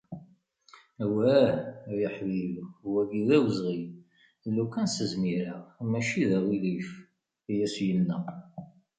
“Awah! ay aḥbib, wagi d awezɣi, lukan s-zmireɣ mačči d aγilif", I as-yenna.